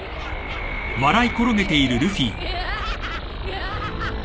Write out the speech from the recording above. グハハハ！